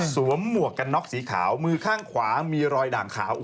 หมวกกันน็อกสีขาวมือข้างขวามีรอยด่างขาว